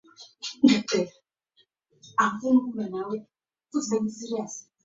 The pose did not change in the new portrait.